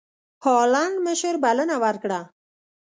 هالنډ مشر بلنه ورکړه.